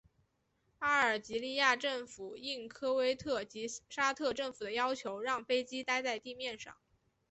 阿尔及利亚政府应科威特及沙特政府的要求让飞机待在地面上。